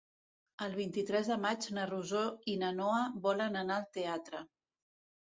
El vint-i-tres de maig na Rosó i na Noa volen anar al teatre.